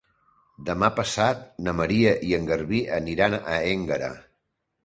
Demà passat na Maria i en Garbí aniran a Énguera.